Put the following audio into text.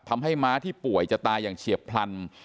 ม้าที่ป่วยจะตายอย่างเฉียบพลัน